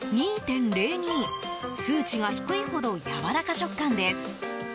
数値が低いほどやわらか食感です。